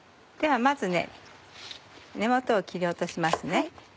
ではまず根元を切り落としますね。